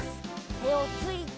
てをついて。